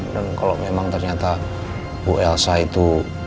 dan kalau memang ternyata bu elsa itu